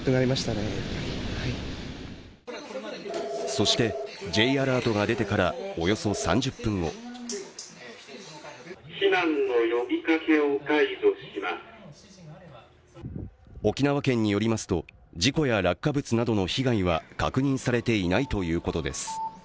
そして、Ｊアラートが出てからおよそ３０分後沖縄県によりますと、事故や落下物などの被害は確認されていないということです。